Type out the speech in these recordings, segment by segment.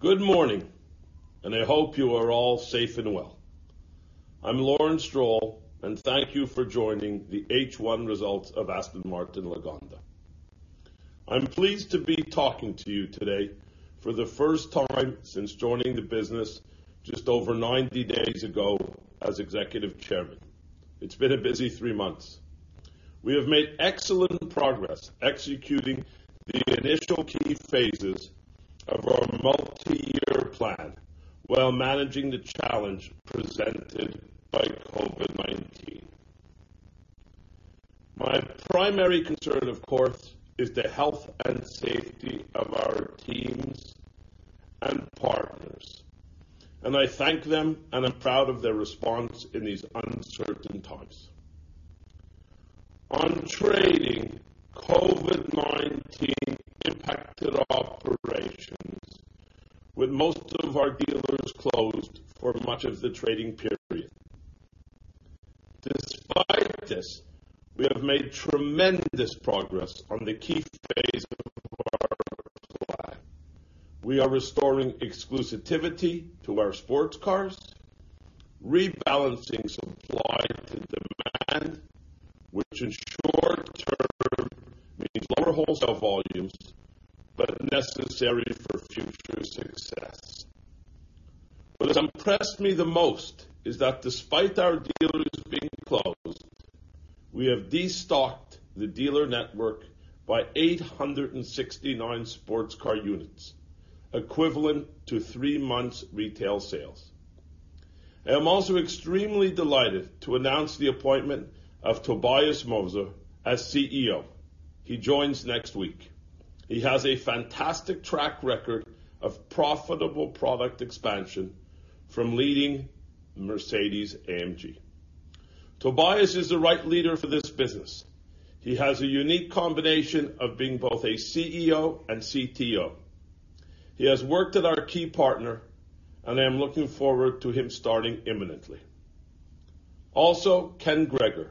Good morning, and I hope you are all safe and well. I'm Lawrence Stroll, and thank you for joining the H1 Results of Aston Martin Lagonda. I'm pleased to be talking to you today for the first time since joining the business just over 90 days ago as Executive Chairman. It's been a busy three months. We have made excellent progress executing the initial key phases of our multi-year plan while managing the challenge presented by COVID-19. My primary concern, of course, is the health and safety of our teams and partners, and I thank them, and I'm proud of their response in these uncertain times. On trading, COVID-19 impacted our operations, with most of our dealers closed for much of the trading period. Despite this, we have made tremendous progress on the key phase of our plan. We are restoring exclusivity to our sports cars, rebalancing supply to demand, which in short term means lower wholesale volumes but necessary for future success. What has impressed me the most is that despite our dealers being closed, we have destocked the dealer network by 869 sports car units, equivalent to three months' retail sales. I am also extremely delighted to announce the appointment of Tobias Moers as CEO. He joins next week. He has a fantastic track record of profitable product expansion from leading Mercedes-AMG. Tobias is the right leader for this business. He has a unique combination of being both a CEO and CTO. He has worked at our key partner, and I am looking forward to him starting imminently. Also, Ken Gregor,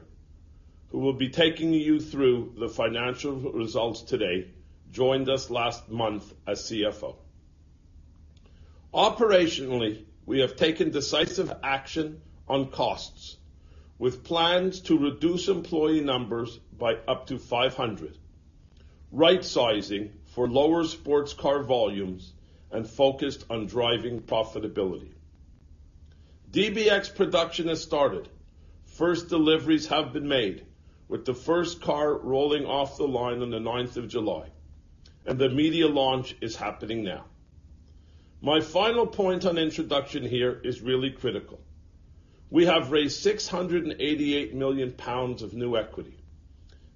who will be taking you through the financial results today, joined us last month as CFO. Operationally, we have taken decisive action on costs, with plans to reduce employee numbers by up to 500, right-sizing for lower sports car volumes, and focused on driving profitability. DBX production has started. First deliveries have been made, with the first car rolling off the line on the 9th of July, and the media launch is happening now. My final point on introduction here is really critical. We have raised 688 million pounds of new equity.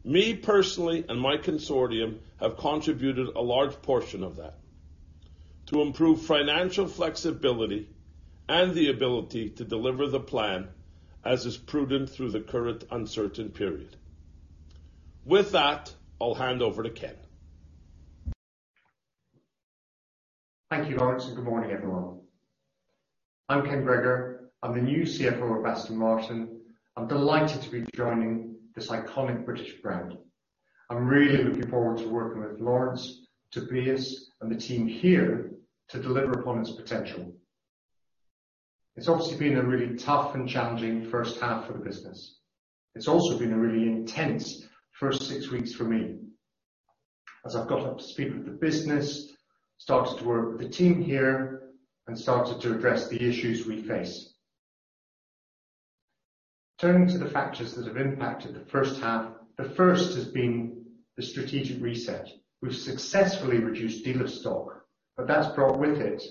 Me, personally, and my consortium have contributed a large portion of that to improve financial flexibility and the ability to deliver the plan as is prudent through the current uncertain period. With that, I'll hand over to Ken. Thank you, Lawrence, and good morning, everyone. I'm Ken Gregor. I'm the new CFO of Aston Martin. I'm delighted to be joining this iconic British brand. I'm really looking forward to working with Lawrence, Tobias, and the team here to deliver upon its potential. It's obviously been a really tough and challenging first half for the business. It's also been a really intense first six weeks for me, as I've got up to speed with the business, started to work with the team here, and started to address the issues we face. Turning to the factors that have impacted the first half, the first has been the strategic reset. We've successfully reduced dealer stock, but that's brought with it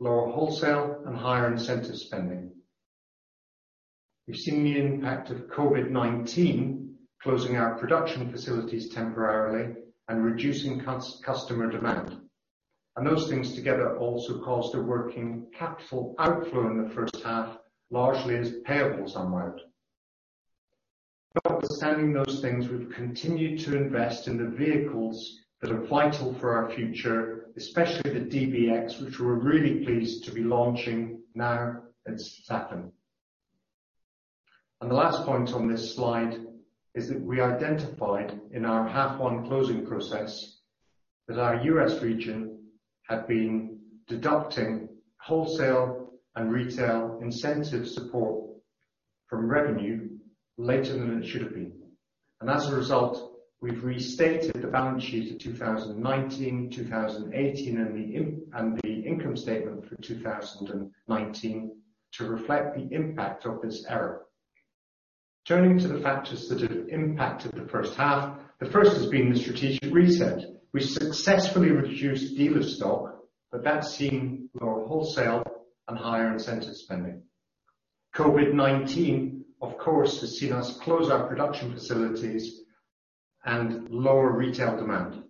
lower wholesale and higher incentive spending. We've seen the impact of COVID-19 closing our production facilities temporarily and reducing customer demand. Those things together also caused a working capital outflow in the first half, largely as payables unwound. Understanding those things, we've continued to invest in the vehicles that are vital for our future, especially the DBX, which we're really pleased to be launching now at St. Athan. The last point on this slide is that we identified in our half-one closing process that our U.S. region had been deducting wholesale and retail incentive support from revenue later than it should have been. As a result, we've restated the balance sheet of 2019, 2018, and the income statement for 2019 to reflect the impact of this error. Turning to the factors that have impacted the first half, the first has been the strategic reset. We've successfully reduced dealer stock, but that's seen lower wholesale and higher incentive spending. COVID-19, of course, has seen us close our production facilities and lower retail demand.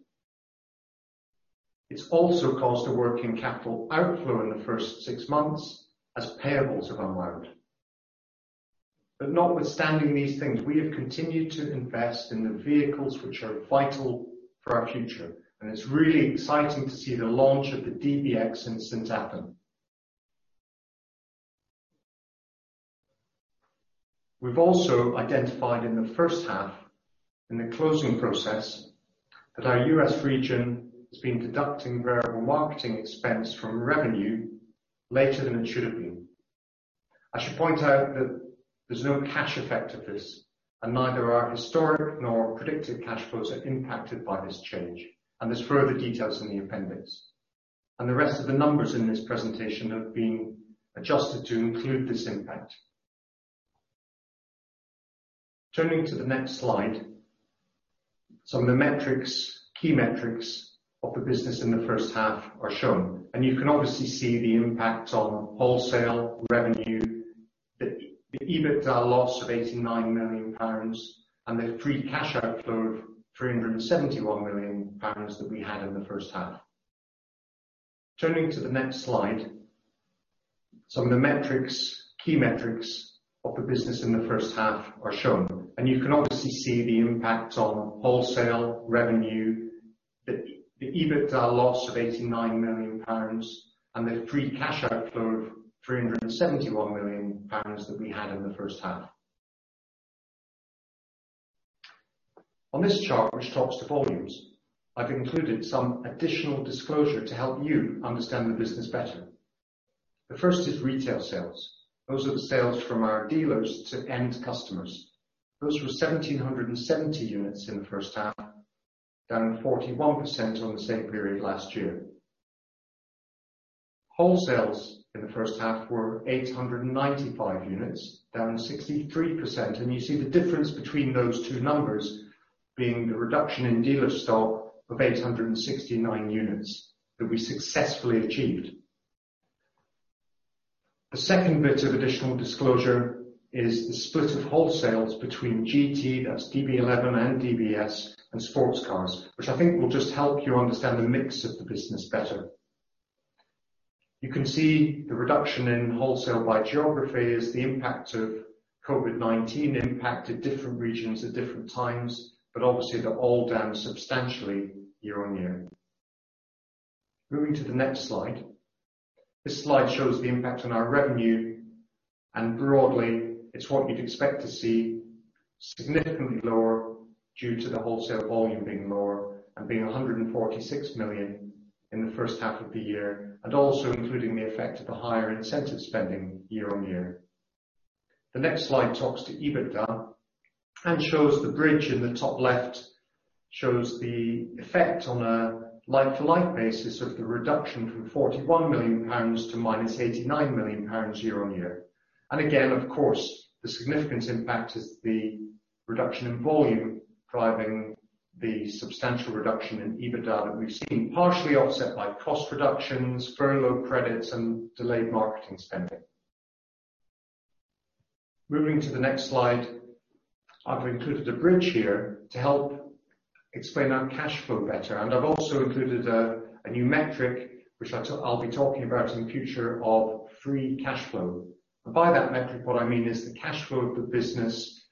It has also caused a working capital outflow in the first six months as payables have unwound. Notwithstanding these things, we have continued to invest in the vehicles which are vital for our future, and it is really exciting to see the launch of the DBX in St. Athan. We have also identified in the first half, in the closing process, that our U.S. region has been deducting variable marketing expense from revenue later than it should have been. I should point out that there is no cash effect of this, and neither our historic nor predicted cash flows are impacted by this change, and there are further details in the appendix. The rest of the numbers in this presentation have been adjusted to include this impact. Turning to the next slide, some of the key metrics of the business in the first half are shown, and you can obviously see the impact on wholesale revenue, the EBITDA loss of 89 million pounds, and the free cash outflow of 371 million pounds that we had in the first half. On this chart, which talks to volumes, I've included some additional disclosure to help you understand the business better. The first is retail sales. Those are the sales from our dealers to end customers. Those were 1,770 units in the first half, down 41% on the same period last year. Wholesales in the first half were 895 units, down 63%, and you see the difference between those two numbers being the reduction in dealer stock of 869 units that we successfully achieved. The second bit of additional disclosure is the split of wholesales between GT, that's DB11 and DBS, and sports cars, which I think will just help you understand the mix of the business better. You can see the reduction in wholesale by geography as the impact of COVID-19 impacted different regions at different times, but obviously they're all down substantially year on year. Moving to the next slide. This slide shows the impact on our revenue, and broadly, it's what you'd expect to see, significantly lower due to the wholesale volume being lower and being 146 million in the first half of the year, and also including the effect of the higher incentive spending year on year. The next slide talks to EBITDA and shows the bridge in the top left shows the effect on a life-to-life basis of the reduction from 41 million pounds to 89 million pounds year-on-year. Of course, the significant impact is the reduction in volume driving the substantial reduction in EBITDA that we've seen, partially offset by cost reductions, furlough credits, and delayed marketing spending. Moving to the next slide, I've included a bridge here to help explain our cash flow better, and I've also included a new metric, which I'll be talking about in the future, of Free cash flow. By that metric, what I mean is the cash flow of the business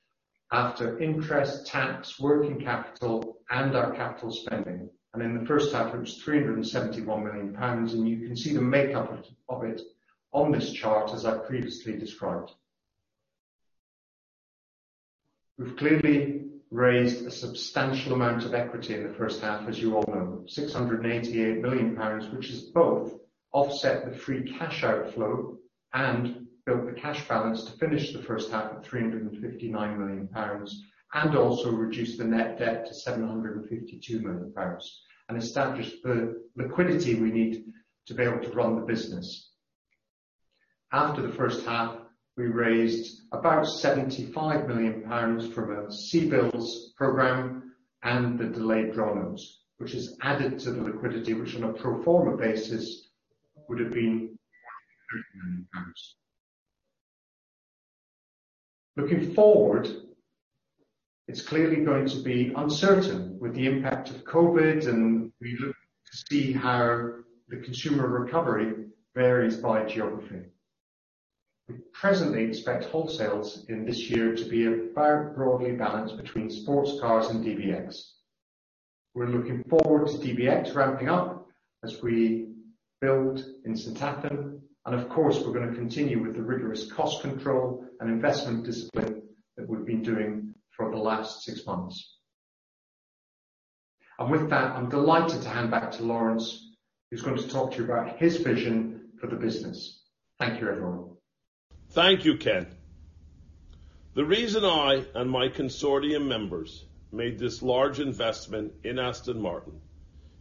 after interest, tax, working capital, and our capital spending. In the first half, it was 371 million pounds, and you can see the makeup of it on this chart, as I have previously described. We have clearly raised a substantial amount of equity in the first half, as you all know, 688 million pounds, which has both offset the free cash outflow and built the cash balance to finish the first half at 359 million pounds, and also reduced the net debt to 752 million pounds and established the liquidity we need to be able to run the business. After the first half, we raised about 75 million pounds from a sea bills program and the delayed draw notes, which has added to the liquidity, which on a pro forma basis would have been GBP 300 million. Looking forward, it's clearly going to be uncertain with the impact of COVID, and we look to see how the consumer recovery varies by geography. We presently expect wholesales in this year to be about broadly balanced between sports cars and DBX. We're looking forward to DBX ramping up as we build in St. Athan, and of course, we're going to continue with the rigorous cost control and investment discipline that we've been doing for the last six months. With that, I'm delighted to hand back to Lawrence, who's going to talk to you about his vision for the business. Thank you, everyone. Thank you, Ken. The reason I and my consortium members made this large investment in Aston Martin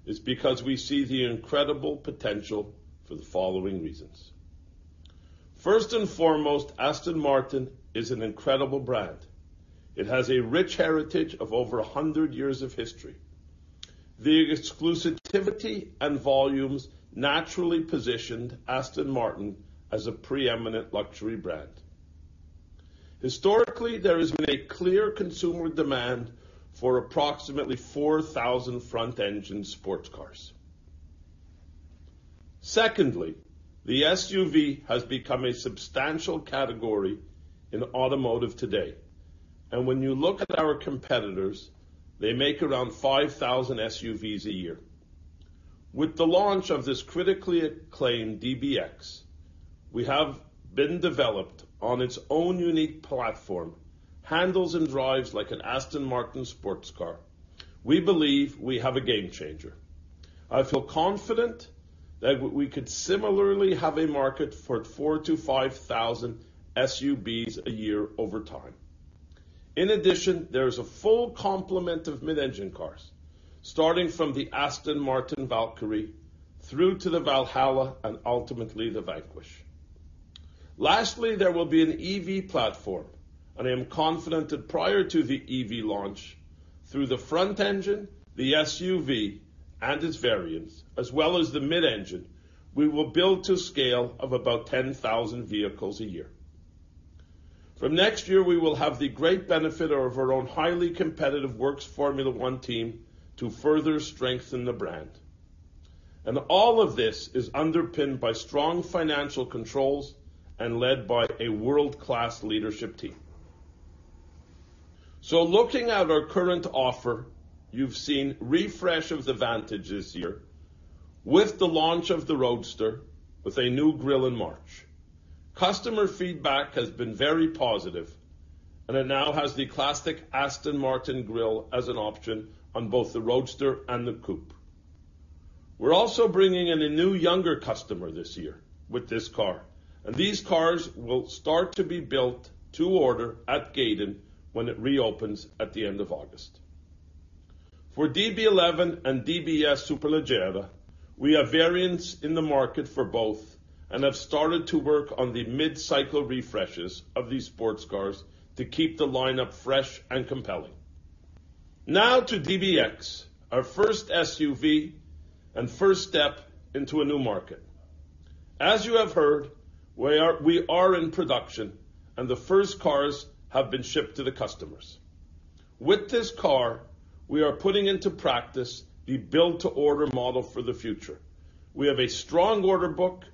is because we see the incredible potential for the following reasons. First and foremost, Aston Martin is an incredible brand. It has a rich heritage of over 100 years of history. The exclusivity and volumes naturally positioned Aston Martin as a preeminent luxury brand. Historically, there has been a clear consumer demand for approximately 4,000 front-engine sports cars. Secondly, the SUV has become a substantial category in automotive today, and when you look at our competitors, they make around 5,000 SUVs a year. With the launch of this critically acclaimed DBX, we have been developed on its own unique platform, handles and drives like an Aston Martin sports car. We believe we have a game changer. I feel confident that we could similarly have a market for 4,000-5,000 SUVs a year over time. In addition, there is a full complement of mid-engine cars, starting from the Aston Martin Valkyrie through to the Valhalla and ultimately the Vanquish. Lastly, there will be an EV platform, and I am confident that prior to the EV launch, through the front engine, the SUV, and its variants, as well as the mid-engine, we will build to a scale of about 10,000 vehicles a year. From next year, we will have the great benefit of our own highly competitive Works Formula 1 team to further strengthen the brand. All of this is underpinned by strong financial controls and led by a world-class leadership team. Looking at our current offer, you've seen refresh of the Vantage this year with the launch of the Roadster with a new grille in March. Customer feedback has been very positive, and it now has the classic Aston Martin grille as an option on both the Roadster and the Coupe. We're also bringing in a new younger customer this year with this car, and these cars will start to be built to order at Gaydon when it reopens at the end of August. For DB11 and DBS Superleggera, we have variants in the market for both and have started to work on the mid-cycle refreshes of these sports cars to keep the lineup fresh and compelling. Now to DBX, our first SUV and first step into a new market. As you have heard, we are in production, and the first cars have been shipped to the customers. With this car, we are putting into practice the build-to-order model for the future. We have a strong order book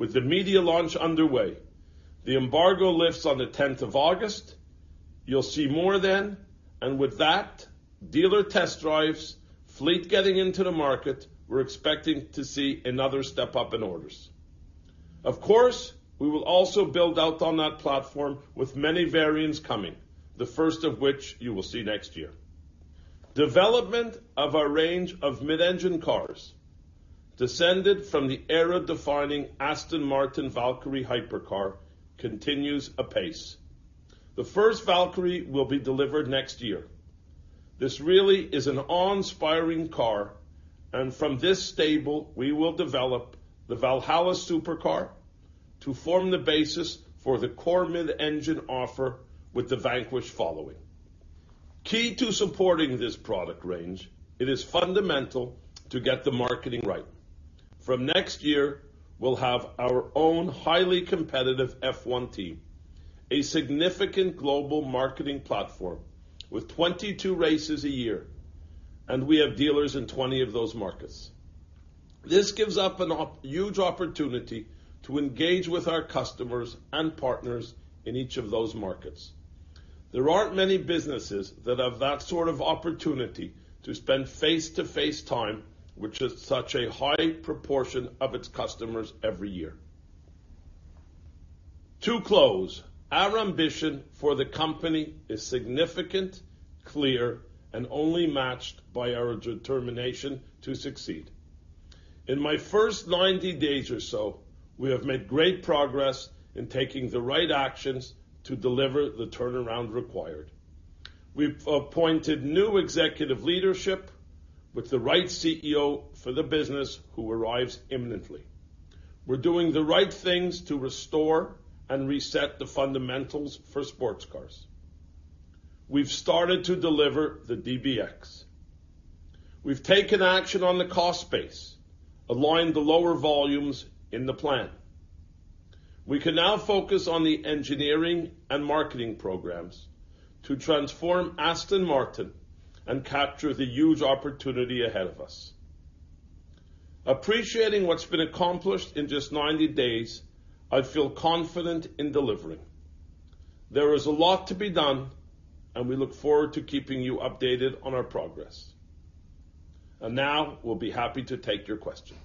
with the media launch underway. The embargo lifts on the 10th of August. You'll see more then, and with that, dealer test drives, fleet getting into the market, we're expecting to see another step up in orders. Of course, we will also build out on that platform with many variants coming, the first of which you will see next year. Development of our range of mid-engine cars, descended from the era-defining Aston Martin Valkyrie hypercar, continues apace. The first Valkyrie will be delivered next year. This really is an awe-inspiring car, and from this stable, we will develop the Valhalla supercar to form the basis for the core mid-engine offer with the Vanquish following. Key to supporting this product range, it is fundamental to get the marketing right. From next year, we'll have our own highly competitive F1 team, a significant global marketing platform with 22 races a year, and we have dealers in 20 of those markets. This gives us a huge opportunity to engage with our customers and partners in each of those markets. There aren't many businesses that have that sort of opportunity to spend face-to-face time, which is such a high proportion of its customers every year. To close, our ambition for the company is significant, clear, and only matched by our determination to succeed. In my first 90 days or so, we have made great progress in taking the right actions to deliver the turnaround required. We've appointed new executive leadership with the right CEO for the business who arrives imminently. We're doing the right things to restore and reset the fundamentals for sports cars. We've started to deliver the DBX. We've taken action on the cost base, aligned the lower volumes in the plan. We can now focus on the engineering and marketing programs to transform Aston Martin and capture the huge opportunity ahead of us. Appreciating what's been accomplished in just 90 days, I feel confident in delivering. There is a lot to be done, and we look forward to keeping you updated on our progress. We will be happy to take your questions.